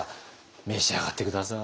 召し上がって下さい。